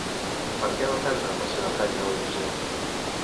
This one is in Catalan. Per què va perdre la seva feina de docent?